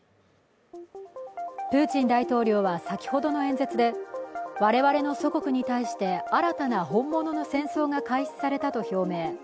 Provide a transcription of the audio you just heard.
プーチン大統領は先ほどの演説で我々の祖国に対して、新たな本物の戦争が開始されたと表明。